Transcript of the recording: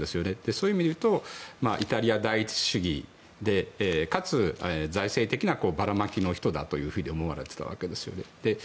そういう意味でいうとイタリア第一主義でかつ財政的なばらまきの人だと思われていたわけですよね。